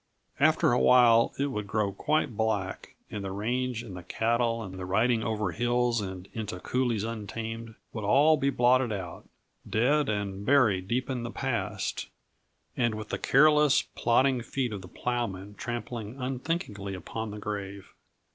After a while it would grow quite black, and the range and the cattle and the riding over hills and into coulées untamed would all be blotted out; dead and buried deep in the past, and with the careless, plodding feet of the plowman trampling unthinkingly upon the grave.